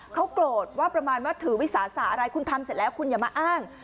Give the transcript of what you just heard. เขาโกรธว่าประมาณว่าถือวิสาสะอะไรคุณทำเสร็จแล้วคุณอย่ามาอ้าง